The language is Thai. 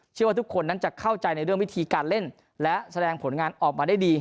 เชื่อว่าทุกคนนั้นจะเข้าใจในเรื่องวิธีการเล่นและแสดงผลงานออกมาได้ดี